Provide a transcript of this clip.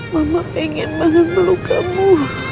mama pengen banget melukamu